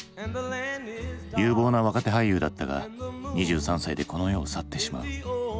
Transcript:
有望な若手俳優だったが２３歳でこの世を去ってしまう。